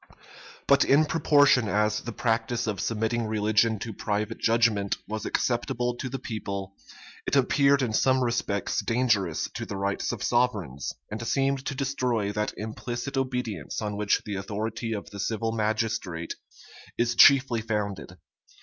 But in proportion as the practice of submitting religion to private judgment was acceptable to the people, it appeared in some respects dangerous to the rights of sovereigns, and seemed to destroy that implicit obedience on which the authority of the civil magistrate is chiefly founded.